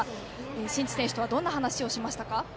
新地選手とはどんな話をしましたか？